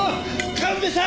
神戸さん